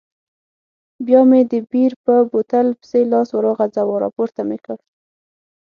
بیا مې د بیر په بوتل پسې لاس وروغځاوه، راپورته مې کړ.